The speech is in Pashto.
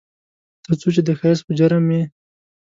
ترڅو چې د ښایست په جرم مې